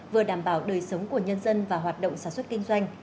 vừa đảm bảo đời sống của nhân dân và hoạt động sản xuất kinh doanh